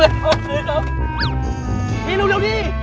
เอ้ยเร็วนี่